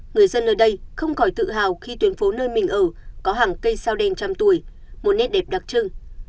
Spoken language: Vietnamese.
người dân nơi đây không khỏi tự hào khi tuyến phố nơi mình ở có hàng cây sao đen trăm tuổi một nét đẹp đặc trưng